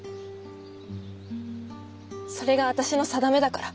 それが私の定めだから。